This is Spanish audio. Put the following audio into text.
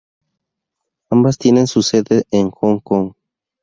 Ambas tienen su sede en Hong Kong.